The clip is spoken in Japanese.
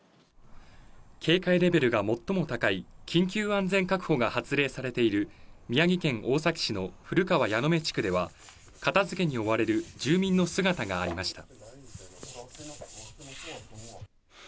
警戒レベルが最も高い緊急安全確保が発令されている、宮城県大崎市の古川矢目地区では片付けに追われる住民の姿がありました。